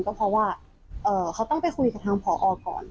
ก็เพราะว่าเขาต้องไปคุยกับทางผอก่อน